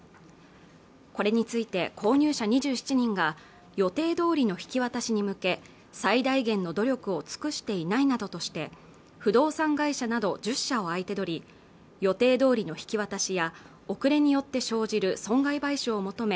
これについて購入者２７人が予定どおりの引き渡しに向け最大限の努力を尽くしていないなどとして不動産会社など１０社を相手取り予定どおりの引き渡しや遅れによって生じる損害賠償を求め